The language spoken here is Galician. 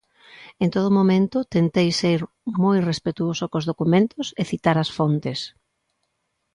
En todo momento tentei ser moi respectuoso cos documentos, e citar as fontes.